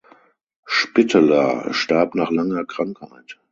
Spitteler starb nach langer Krankheit.